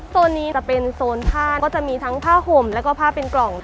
โซนนี้จะเป็นโซนผ้าก็จะมีทั้งผ้าห่มแล้วก็ผ้าเป็นกล่อง